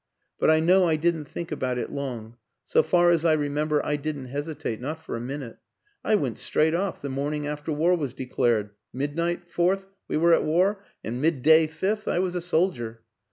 But I know I didn't think about it long; so far as I remember I didn't hesitate, not for a minute. I went straight off the morning after war was de clared. Midnight, fourth, we were at war, and midday, fifth, I was a soldier.